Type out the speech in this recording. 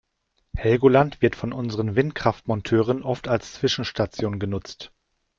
Helgoland wird von unseren Windkraftmonteuren oft als Zwischenstation genutzt.